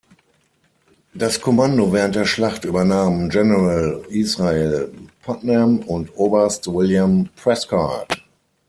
Das Kommando während der Schlacht übernahmen General Israel Putnam und Oberst William Prescott.